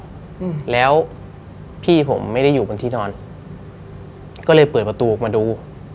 อืมแล้วพี่ผมไม่ได้อยู่บนที่นอนก็เลยเปิดประตูออกมาดู